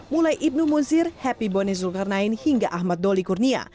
mulai ibnu munsir happy bonisul karnain hingga ahmad doli kurnia